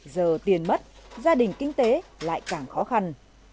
giờ tiền mất gia đình kinh tế lại càng khó khăn